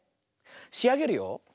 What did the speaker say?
しあげるよ。